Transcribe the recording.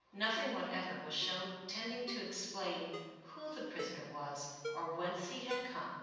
Nothing whatever was shown tending to explain who the prisoner was or whence he had come.